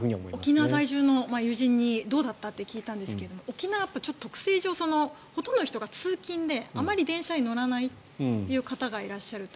沖縄在住の友人にどうだった？って聞いたんですが沖縄はちょっと特性上ほとんどの人が通勤であまり電車に乗らないという方がいらっしゃると。